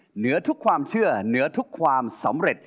เหนือทุกความเชื่อเหนือทุกความสำเร็จ